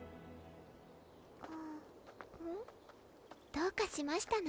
うん？どうかしましたの？